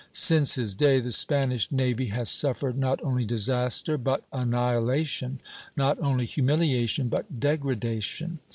Since his day the Spanish navy had suffered not only disaster, but annihilation; not only humiliation, but degradation.